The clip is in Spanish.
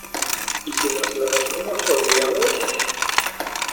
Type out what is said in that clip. ¿ Y si nos los dejamos olvidados?